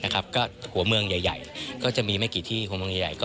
ก็หัวเมืองใหญ่ก็จะมีไม่กี่ที่หัวเมืองใหญ่